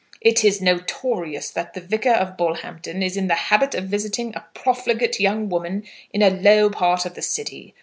It is notorious that the Vicar of Bullhampton is in the habit of visiting a profligate young woman in a low part of the city.